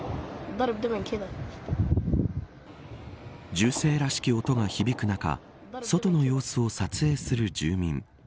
銃声らしき音が響く中外の様子を撮影する住民。